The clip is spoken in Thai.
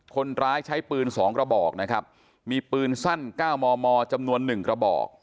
คนร้ายใช้ปืน๒กระบอกนะครับมีปืนสั้น๙มมจำนวนหนึ่งกระบอก